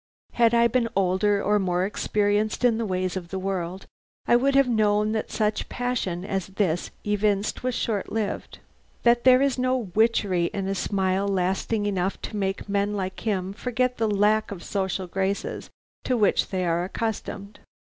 "Had I been older or more experienced in the ways of the world, I would have known that such passion as this evinced was short lived; that there is no witchery in a smile lasting enough to make men like him forget the lack of those social graces to which they are accustomed.